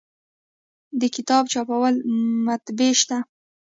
د کتاب چاپولو مطبعې شته